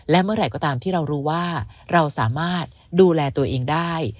และเมื่อไหร่ก็ตามที่เรารู้ว่าเราสามารถดูแลตัวเองได้